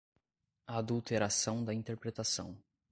Adulteração da interpretação